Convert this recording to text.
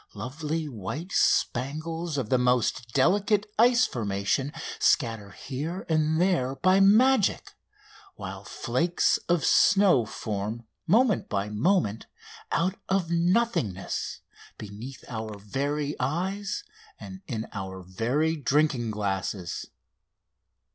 Lovely white spangles of the most delicate ice formation scatter here and there by magic; while flakes of snow form, moment by moment, out of nothingness, beneath our very eyes, and in our very drinking glasses.